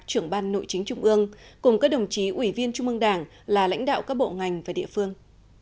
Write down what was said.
trưởng ban nội chính trung ương cùng các đồng chí ủy viên trung ương đảng là lãnh đạo các bộ ngành và địa phương